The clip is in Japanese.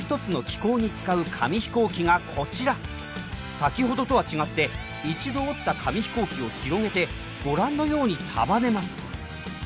先ほどとは違って一度折った紙飛行機を広げてご覧のように束ねます。